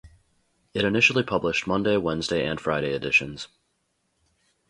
It initially published Monday, Wednesday and Friday editions.